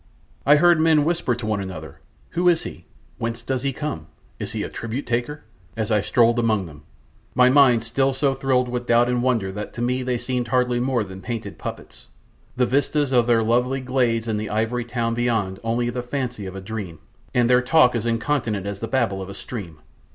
I heard men whisper one to another, "Who is he?"; "Whence does he come?"; "Is he a tribute taker?" as I strolled amongst them, my mind still so thrilled with doubt and wonder that to me they seemed hardly more than painted puppets, the vistas of their lovely glades and the ivory town beyond only the fancy of a dream, and their talk as incontinent as the babble of a stream.